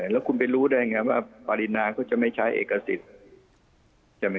แล้วคุณไปรู้ได้ยังไงว่าปริณาเขาจะไม่ใช้เอกสิทธิ์